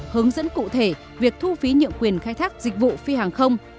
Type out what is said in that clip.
hướng dẫn cụ thể việc thu phí nhượng quyền khai thác dịch vụ phi hàng không